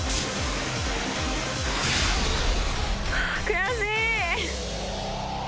悔しい！